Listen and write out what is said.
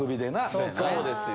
そうですよ。